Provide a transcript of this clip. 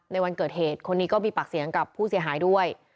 วันเกิดเหตุคนนี้ก็มีปากเสียงกับผู้เสียหายด้วย